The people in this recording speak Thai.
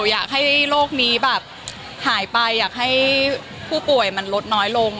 อยากให้โรคนี้แบบหายไปอยากให้ผู้ป่วยมันลดน้อยลง